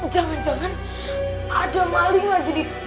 jangan jangan ada maling lagi di